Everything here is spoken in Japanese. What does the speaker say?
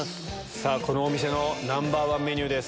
さあ、このお店のナンバー１メニューです。